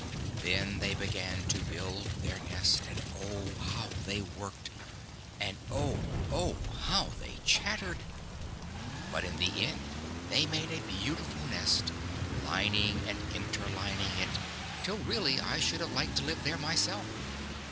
Then they began to build their nest, and oh, how they worked, and oh, oh, how they chattered. But in the end they made a beautiful nest, lining and interlining it, till really I should have liked to live there myself.